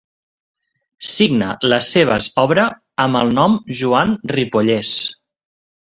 Signa les seves obra amb el nom Joan Ripollés.